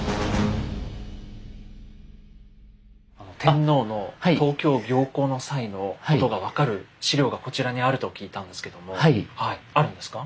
天皇の東京行幸の際のことが分かる史料がこちらにあると聞いたんですけどもはいあるんですか？